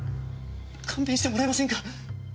勘弁してもらえませんか？